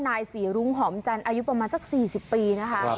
นายศรีรูงหอมจันที่ประมาณ๔๐ปี